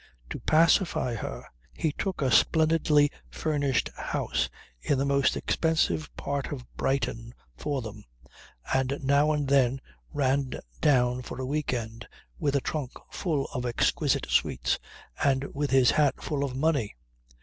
To pacify her he took a splendidly furnished house in the most expensive part of Brighton for them, and now and then ran down for a week end, with a trunk full of exquisite sweets and with his hat full of money.